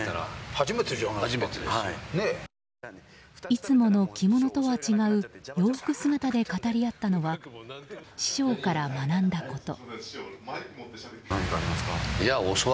いつもの着物とは違う洋服姿で語り合ったのは師匠から学んだこと。